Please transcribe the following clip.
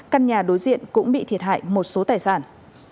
căn nhà đối diện cũng bị thiệt hại một số tài sản